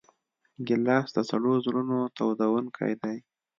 ګیلاس د سړو زړونو تودوونکی دی.